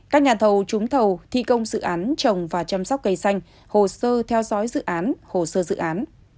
các nhà thầu trúng thầu thi công dự án trồng và chăm sóc cây xanh hồ sơ theo dõi dự án hồ sơ dự án